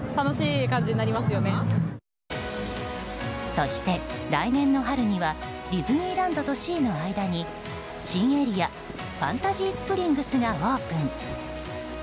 そして、来年の春にはディズニーランドとシーの間に新エリアファンタジースプリングスがオープン。